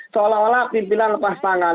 seolah olah pimpinan lepas tangan